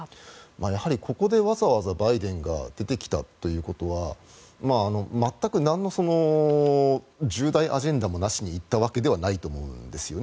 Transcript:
やはり、ここでわざわざバイデンが出てきたということは全くなんの重大アジェンダもなしに行ったわけではないと思うんですよね。